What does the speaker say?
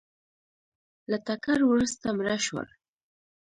له ټکر وروسته مړه شول